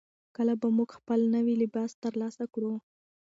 کله به موږ خپل نوی لباس ترلاسه کړو؟